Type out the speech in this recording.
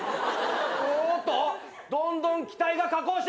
おっとどんどん機体が下降していく！